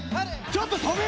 ちょっと！